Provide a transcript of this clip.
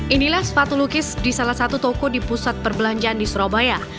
inilah sepatu lukis di salah satu toko di pusat perbelanjaan di surabaya